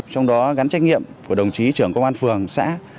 trong đó gắn trách nhiệm của đồng chí trưởng công an phường xã